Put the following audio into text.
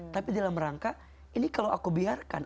tapi dalam rangka ini kalau aku biarkan